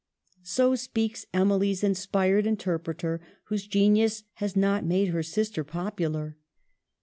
1 So speaks Emily's inspired interpreter, whose genius has not made her sister popular.